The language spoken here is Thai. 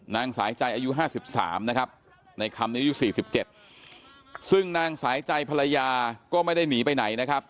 นายสายใจอายุ๕๓นะครับในคำนี้อายุ๔๗ซึ่งนางสายใจภรรยาก็ไม่ได้หนีไปไหนนะครับ